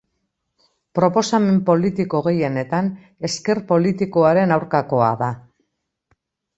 Proposamen politiko gehienetan ezker politikoaren aurkakoa da.